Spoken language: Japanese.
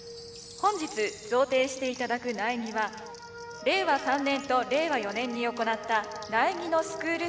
本日贈呈していただく苗木は令和３年と令和４年に行った苗木のスクール